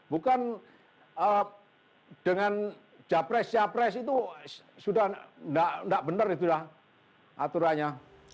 bukan dengan diapresiasi itu sudah tidak benar itulah aturannya